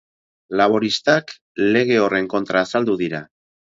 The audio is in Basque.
Laboristak lege horren kontra azaldu dira.